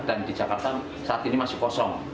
dan di jakarta saat ini masih kosong